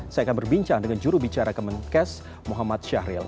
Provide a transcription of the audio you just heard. saya akan berbincang dengan jurubicara kemenkes muhammad syahril